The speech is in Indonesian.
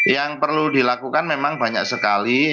yang perlu dilakukan memang banyak sekali